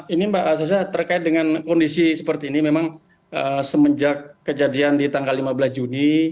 ini mbak sasa terkait dengan kondisi seperti ini memang semenjak kejadian di tanggal lima belas juni